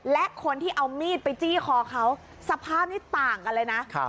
และคนที่เอามีดไปจี้คอเขาสภาพนี้ต่างกันเลยนะ